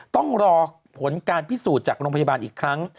ต้องรอผลการพิสูจน์จากโรงพยาบาลอีกครั้ง